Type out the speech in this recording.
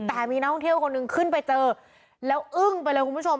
แต่มีนักท่องเที่ยวคนหนึ่งขึ้นไปเจอแล้วอึ้งไปเลยคุณผู้ชม